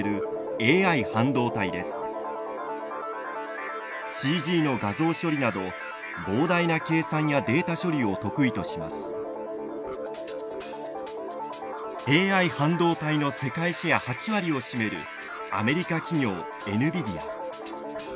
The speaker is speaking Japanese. ＡＩ半導体の世界シェア８割を占めるアメリカ企業エヌビディア。